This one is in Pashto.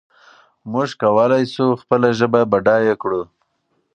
موږ کولای شو خپله ژبه بډایه کړو.